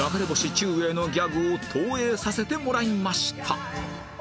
ちゅうえいのギャグを投影させてもらいました